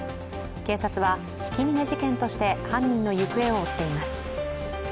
警察は、ひき逃げ事件として犯人の行方を追っています。